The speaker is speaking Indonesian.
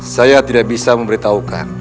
saya tidak bisa memberitahukan